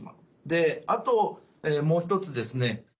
であともう一つですね